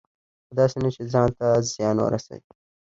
خو داسې نه چې ځان ته زیان ورسوي.